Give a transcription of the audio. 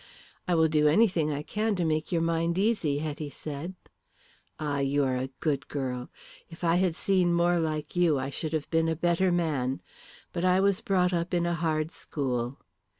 "I will do anything I can to make your mind easy," Hetty said. "Ah, you are a good girl. If I had seen more like you I should have been a better man. But I was brought up in a hard school.